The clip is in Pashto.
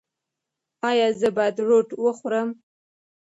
ایا زه باید روټ وخورم؟